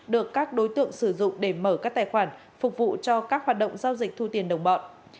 được các đối tượng sử dụng để mở các tài khoản phục vụ cho các hoạt động giao dịch thu tiền đồng bọn